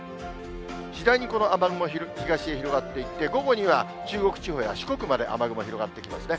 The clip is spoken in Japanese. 次第にこの雨雲、東へ広がっていって、午後には中国地方や四国まで雨雲広がっていきますね。